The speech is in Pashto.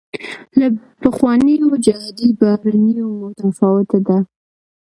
له پخوانیو جهادي بهیرونو متفاوته ده.